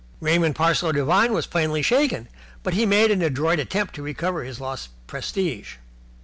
Raymond Parsloe Devine was plainly shaken, but he made an adroit attempt to recover his lost prestige.